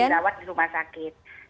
jadi tidak perlu dijawat ke rumah sakit